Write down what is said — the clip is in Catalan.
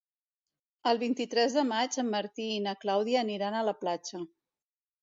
El vint-i-tres de maig en Martí i na Clàudia aniran a la platja.